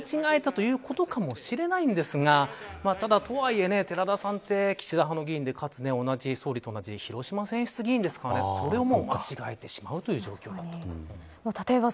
読み間違えたということかもしれないんですがとはいえ寺田さんって岸田派の議員でかつ、総理と同じ広島選出議員ですからそれを間違えてしまうという状況だった。